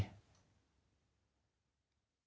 คิดว่ามันจะฟื้นไหม